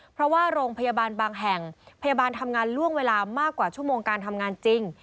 เพราะว่าโรงพยาบาลบางแห่งพยาบาลทำงานล่วงเวลามากกว่าชั่วโมงการทำงานจริง